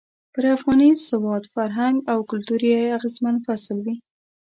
پر افغاني سواد، فرهنګ او کلتور يو اغېزمن فصل وي.